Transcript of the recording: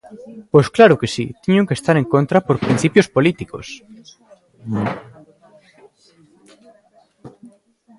Pois claro que si, teño que estar en contra por principios políticos.